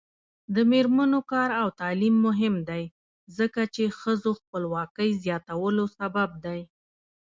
د میرمنو کار او تعلیم مهم دی ځکه چې ښځو خپلواکۍ زیاتولو سبب دی.